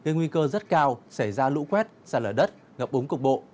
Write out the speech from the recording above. nguy cơ rất cao sẽ ra lũ quét xả lở đất ngập búng cục bộ